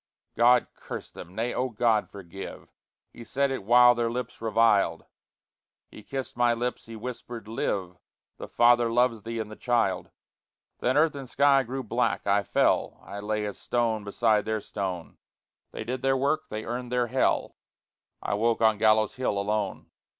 God curse them! Nay, Oh God forgive! He said it while their lips reviled; He kissed my lips, he whispered: "Live! The father loves thee in the child." Then earth and sky grew black, I fell I lay as stone beside their stone. They did their work. They earned their Hell. I woke on Gallows Hill, alone.